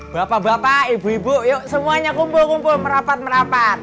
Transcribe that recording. bapak bapak ibu ibu yuk semuanya kumpul kumpul merapat merapat